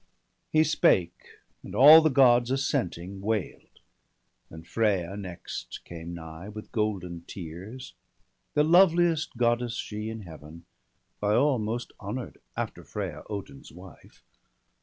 He spake, and all the Gods assenting wail'd. BALDER DEAD, 169 And Freya next came nigh, with golden tears; The loveliest Goddess she in Heaven, by all Most honour'd after Frea, Odin's wife.